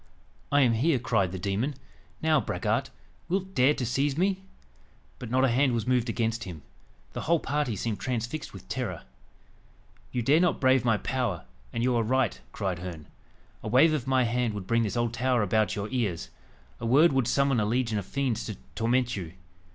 "I am here!" cried the demon. "Now, braggart, wilt dare to seize me?" But not a hand was moved against him. The whole party seemed transfixed with terror. "You dare not brave my power, and you are right," cried Herne "a wave of my hand would bring this old tower about your ears a word would summon a legion of fiends to torment you."